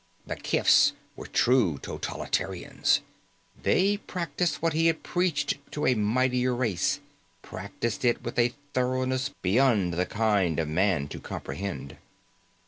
The kifs were true totalitarians. They practiced what he had preached to a mightier race, practiced it with a thoroughness beyond the kind of man to comprehend.